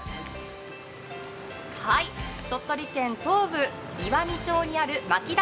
鳥取県東部、岩美町にある牧谷